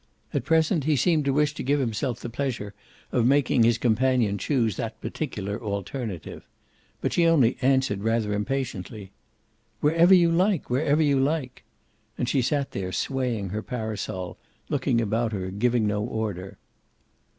At present he seemed to wish to give himself the pleasure of making his companion choose that particular alternative. But she only answered rather impatiently: "Wherever you like, wherever you like!" And she sat there swaying her parasol, looking about her, giving no order.